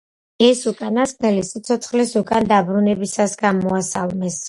ეს უკანასკნელი სიცოცხლეს უკან დაბრუნებისას გამოასალმეს.